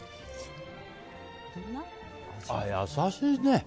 優しいね。